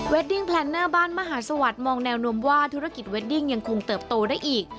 ดิ้งแพลนเนอร์บ้านมหาสวัสดิมองแนวนมว่าธุรกิจเวดดิ้งยังคงเติบโตได้อีก